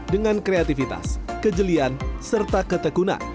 dengan kreativitas kejelian serta ketekunan